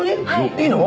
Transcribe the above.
いいの？